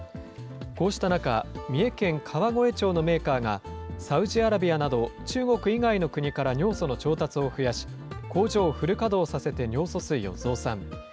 こうした中、三重県川越町のメーカーが、サウジアラビアなど中国以外の国から尿素の調達を増やし、工場をフル稼働させて尿素水を増産。